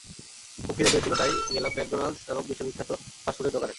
খুব খিদে পেয়েছিল তাই গেলাম ম্যাকডোনাল্ডস নামক বিশ্ববিখ্যাত ফাস্ট ফুডের দোকানে।